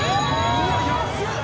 うわ安っ！